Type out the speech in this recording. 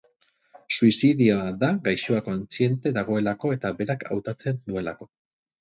Suizidioa da gaixoa kontziente dagoelako eta berak hautatzen duelako.